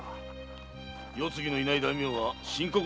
世継ぎのいない大名は深刻なのだ。